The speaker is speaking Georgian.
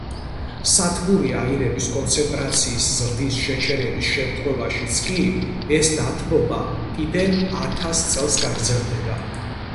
სათბური აირების კონცენტრაციის ზრდის შეჩერების შემთხვევაშიც კი ეს დათბობა კიდევ ათას წელს გაგრძელდება.